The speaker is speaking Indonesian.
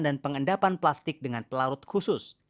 dan pengendapan plastik dengan pelarut khusus